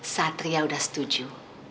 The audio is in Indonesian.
satria udah setuju